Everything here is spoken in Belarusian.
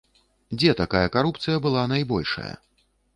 Дзе такая карупцыя была найбольшая?